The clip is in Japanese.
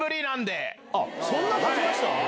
そんなたちました？